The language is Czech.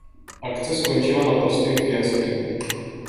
Akce skončila naprostým fiaskem.